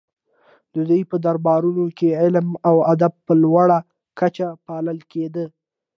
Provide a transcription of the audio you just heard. د دوی په دربارونو کې علم او ادب په لوړه کچه پالل کیده